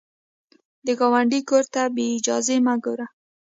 د ګاونډي کور ته بې اجازې مه ګوره